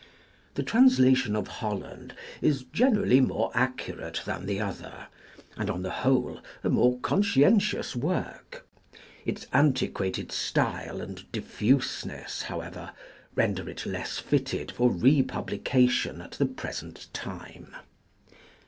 The translation of Holland is generally more accurate than the other, and, on the whole, a more con scientious work ; its antiquated style and diffuseness, however, render it less fitted for republication at the present time.